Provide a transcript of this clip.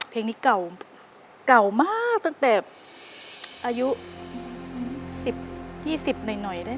เพลงนี้เก่าเก่ามากตั้งแต่อายุ๑๐๒๐หน่อยได้